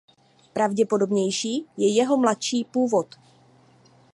Pravděpodobnější je jeho mladší původ.